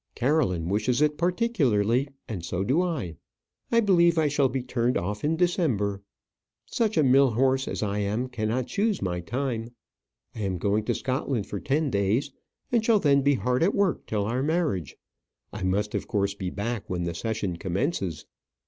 Caroline wishes it particularly; and so do I. I believe I shall be turned off in December. Such a mill horse as I am cannot choose my time. I am going to Scotland for ten days, and shall then be hard at work till our marriage. I must of course be back when the session commences.